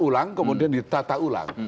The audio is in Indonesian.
ulang kemudian ditata ulang